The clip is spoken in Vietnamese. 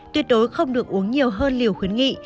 tuyệt đối không được uống nhiều hơn liều khuyến nghị